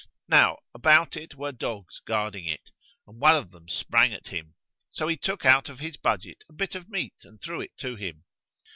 Now about it were dogs guarding it, and one of them sprang at him; so he took out of his budget a bit of meat and threw it to him.